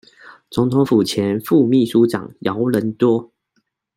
總統府前副祕書長姚人多